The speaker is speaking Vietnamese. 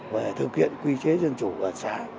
về thực hiện quy chế dân chủ ở xã